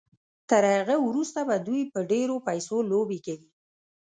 تر هغه وروسته به دوی په ډېرو پيسو لوبې کوي.